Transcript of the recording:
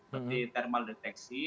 seperti thermal deteksi